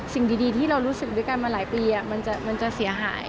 สิ่งดีที่เรารู้สึกด้วยกันมาหลายปีมันจะเสียหาย